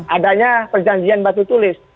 adanya perjanjian batu tulis